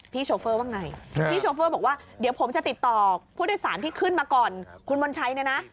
โชเฟอร์ว่าไงพี่โชเฟอร์บอกว่าเดี๋ยวผมจะติดต่อผู้โดยสารที่ขึ้นมาก่อนคุณมณชัยเนี่ยนะ